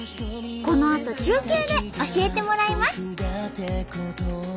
このあと中継で教えてもらいます。